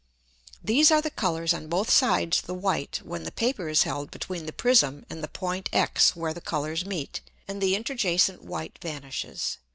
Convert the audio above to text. These are the Colours on both sides the white when the Paper is held between the Prism and the Point X where the Colours meet, and the interjacent white vanishes.